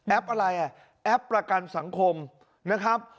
อะไรอ่ะแอปประกันสังคมนะครับ